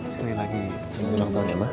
sekali lagi selamat ulang tahun ya ma